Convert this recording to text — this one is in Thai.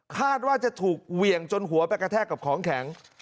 คาดว่าจะถูกเหวี่ยงจนหัวไปกระแทกกับของแข็ง